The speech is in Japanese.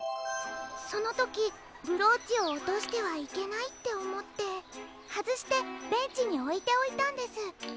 そのときブローチをおとしてはいけないっておもってはずしてベンチにおいておいたんです。